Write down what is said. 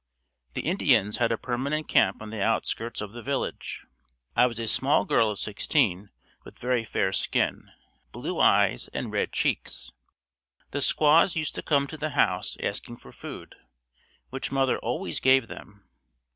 The Indians had a permanent camp on the outskirts of the village. I was a small girl of sixteen with very fair skin, blue eyes and red cheeks. The squaws used to come to the house asking for food, which mother always gave them.